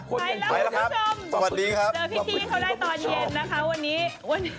สวัสดีครับเจอพี่พี่เขาได้ตอนเย็นนะคะวันนี้